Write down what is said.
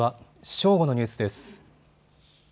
正午のニュースです。